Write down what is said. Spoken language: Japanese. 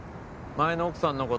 前の奥さんの事